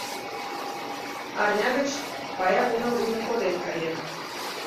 Арня гыч Фая унагудым коден каен.